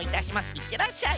いってらっしゃい！